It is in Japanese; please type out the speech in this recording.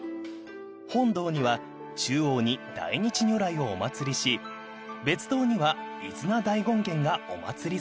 ［本堂には中央に大日如来をお祭りし別堂には飯縄大権現がお祭りされています］